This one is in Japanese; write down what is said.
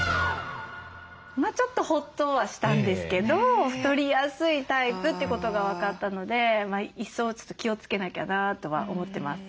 まあちょっとホッとはしたんですけど太りやすいタイプってことが分かったので一層ちょっと気をつけなきゃなとは思ってます。